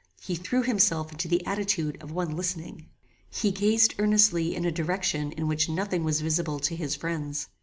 He threw himself into the attitude of one listening. He gazed earnestly in a direction in which nothing was visible to his friends.